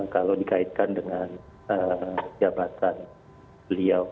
kalau dikaitkan dengan jabatan beliau